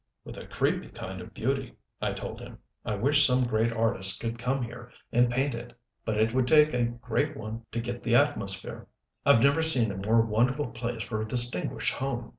"With a creepy kind of beauty," I told him. "I wish some great artist could come here and paint it. But it would take a great one to get the atmosphere. I've never seen a more wonderful place for a distinguished home."